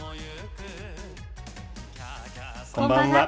こんばんは。